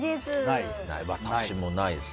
私もないですね。